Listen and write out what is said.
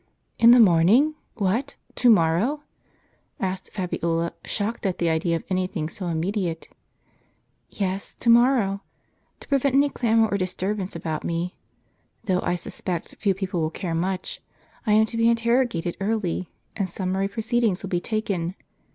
"In the morning! — what, to morrow?" asked Fabiola, shocked at the idea of any thing so immediate. " Yes, to morrow. To prevent any clamor or disturbance about me (though I suspect few people will care much), I am to be interrogated early, and summary proceedings will be taken.